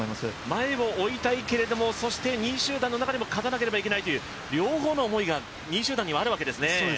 前を追いたいけれども、そして２位集団でも勝たないといけないという両方の思いが２位集団にはあるわけですね。